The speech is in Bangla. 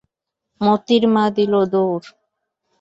মোতির মা দিল দৌড়।